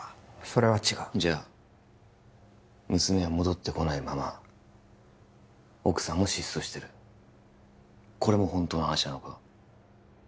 それは違うじゃあ娘は戻ってこないまま奥さんも失踪してるこれも本当の話なのか？